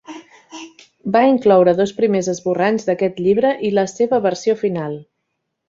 Va incloure dos primers esborranys d'aquest llibre i la seva versió final.